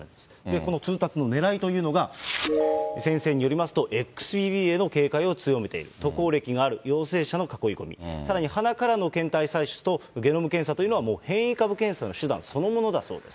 この通達のねらいというのが、先生によりますと、ＸＢＢへの警戒を強めている、渡航歴がある陽性者の囲い込み、さらに鼻からの検体採取と、ゲノム検査というのは、もう変異株検査の手段そのものだそうです。